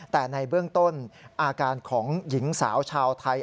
แต่ในเบื้องต้นอาการของหญิงสาวชาวไทย